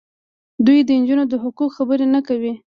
دوی د نجونو د حقونو خبرې نه کوي.